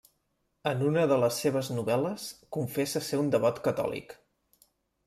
En una de les seves novel·les confessa ser un devot catòlic.